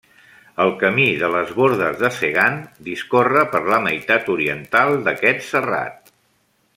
El Camí de les Bordes de Segan discorre per la meitat oriental d'aquest serrat.